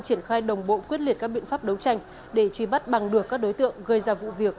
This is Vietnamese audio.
triển khai đồng bộ quyết liệt các biện pháp đấu tranh để truy bắt bằng được các đối tượng gây ra vụ việc